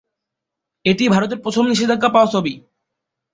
এটিই ভারতের প্রথম নিষেধাজ্ঞা পাওয়া ছবি।